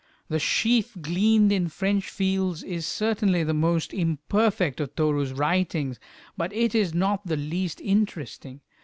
The "Sheaf gleaned in French Fields" is certainly the most imperfect of Toru's writings, but it is not the least interesting.